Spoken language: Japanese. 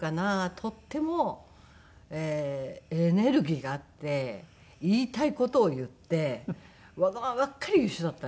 とってもエネルギーがあって言いたい事を言ってわがままばっかり言う人だったんです。